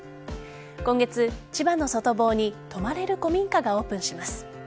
今月、千葉の外房に泊まれる古民家がオープンします。